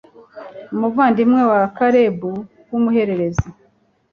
umuvandimwe wa kalebu w'umuhererezi